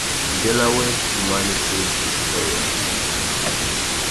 Delaware Humanities Forum.